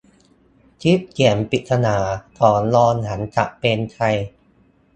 คลิปเสียงปริศนา ต่อรองหลังจับ "เปรมชัย"